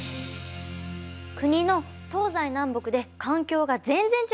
国の東西南北で環境が全然違いますね！